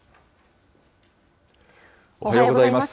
おはようございます。